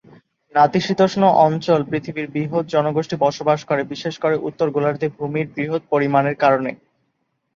নাতিশীতোষ্ণ অঞ্চল পৃথিবীর বৃহৎ জনগোষ্ঠী বসবাস করে, বিশেষ করে উত্তর গোলার্ধে ভূমির বৃহৎ পরিমাণের কারণে।